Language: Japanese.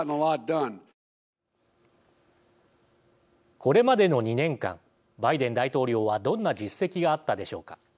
これまでの２年間バイデン大統領はどんな実績があったでしょうか。